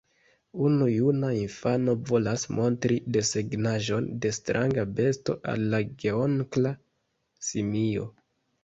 Unu juna infano volas montri desegnaĵon de stranga besto al la geonkla simio.